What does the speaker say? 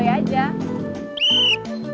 kayanya sih enjoy aja